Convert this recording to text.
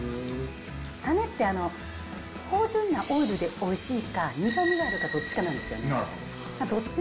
種って、豊潤なオイルでおいしいか、苦みがあるかどっちかなんですよね。